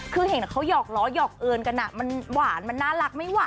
คือเห็นเขาหอกล้อหยอกเอิญกันมันหวานมันน่ารักไม่หวาน